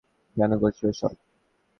কেন করছো এসব?